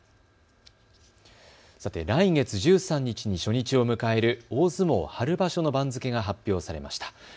さて来月１３日に初日を迎える大相撲春場所の番付が発表されました。